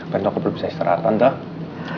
beritahu aku kalau bisa istirahatkan tuh